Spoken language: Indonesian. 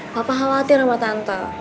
papa khawatir sama tante